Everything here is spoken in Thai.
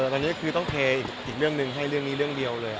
ตอนนี้คือต้องเทอีกเรื่องหนึ่งให้เรื่องนี้เรื่องเดียวเลย